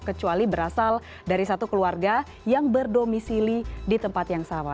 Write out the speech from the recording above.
kecuali berasal dari satu keluarga yang berdomisili di tempat yang sama